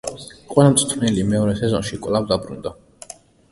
ყველა მწვრთნელი მეორე სეზონში კვლავ დაბრუნდა.